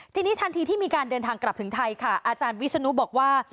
ทีนี้ทันทีที่มีการเดินทางกลับถึงไทยค่ะอาจารย์วิศนุบอกว่า